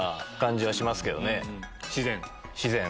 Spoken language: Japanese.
自然。